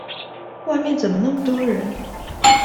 外面怎麼那麼多人？